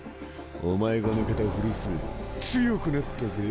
お前が抜けた古巣強くなったぜ。